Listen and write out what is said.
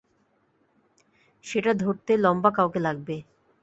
সেটা ধরতে লম্বা কাউকে লাগবে।